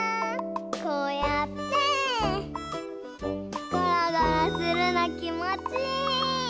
こうやってゴロゴロするのきもちいい！